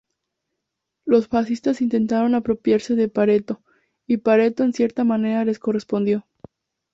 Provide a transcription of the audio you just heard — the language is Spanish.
Los fascistas intentaron apropiarse de Pareto, y Pareto en cierta manera les correspondió.